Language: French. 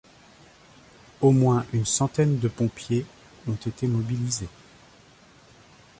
Au moins une centaine de pompiers ont été mobilisés.